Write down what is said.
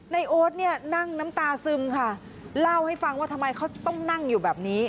โอ๊ตเนี่ยนั่งน้ำตาซึมค่ะเล่าให้ฟังว่าทำไมเขาต้องนั่งอยู่แบบนี้